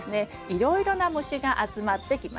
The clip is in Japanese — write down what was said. いろいろな虫が集まってきます。